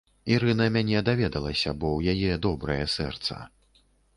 Ірына мяне даведалася, бо ў яе добрае сэрца.